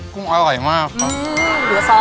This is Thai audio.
กุ้งอร่อยมากครับ